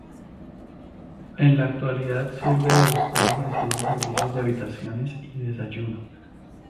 En la actualidad sirve de hostal ofreciendo servicio de habitaciones y desayuno.